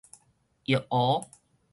浴壺